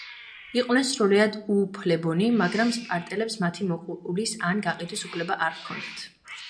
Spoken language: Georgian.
იყვნენ სრულიად უუფლებონი, მაგრამ სპარტელებს მათი მოკვლის ან გაყიდვის უფლება არ ჰქონდათ.